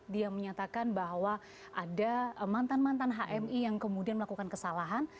dia menyatakan bahwa ada mantan mantan hmi yang kemudian melakukan kesalahan